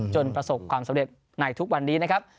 ประสบความสำเร็จในทุกวันนี้นะครับ